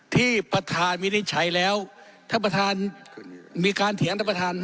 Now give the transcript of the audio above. ที่ประธานวินิจฉัยแล้วท่านประธานมีการเถียงท่านประธาน